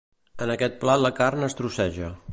En aquest plat la carn es trosseja.